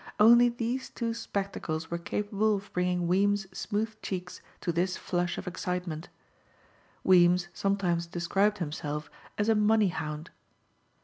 Only these two spectacles were capable of bringing Weems' smooth cheeks to this flush of excitement. Weems sometimes described himself as a "money hound."